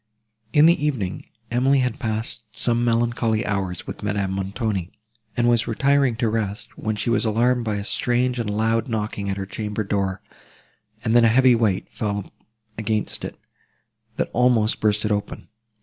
In the evening, Emily had passed some melancholy hours with Madame Montoni, and was retiring to rest, when she was alarmed by a strange and loud knocking at her chamber door, and then a heavy weight fell against it, that almost burst it open.